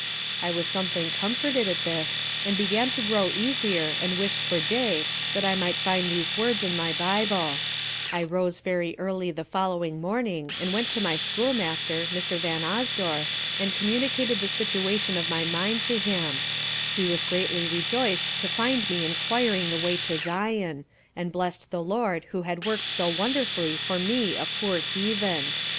"_ I was something comforted at this, and began to grow easier and wished for day that I might find these words in my bible I rose very early the following morning, and went to my school master, Mr. Vanosdore, and communicated the situation of my mind to him; he was greatly rejoiced to find me enquiring the way to Zion, and blessed the Lord who had worked so wonderfully for me a poor heathen.